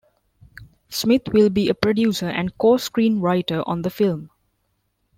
Smith will be a producer and co-screenwriter on the film.